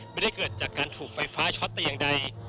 ไม่ได้เกิดจากการถูกไฟฟ้าช็อตแต่อย่างใด